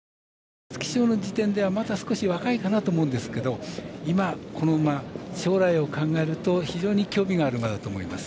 皐月賞の時点ではまだ少し若いかなと思うんですが今、この馬、将来を考えると非常に興味がある馬だと思います。